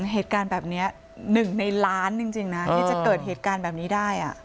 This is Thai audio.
เหตุการณ์แบบเนี้ยหนึ่งในล้านจริงจริงนะที่จะเกิดเหตุการณ์แบบนี้ได้อ่ะ